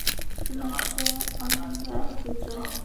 শুধুমাত্র আমরা দুইজন?